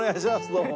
どうも。